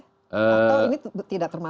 atau ini tidak termasuk